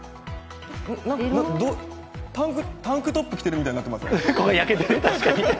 タンクトップ着てるみたいになってる。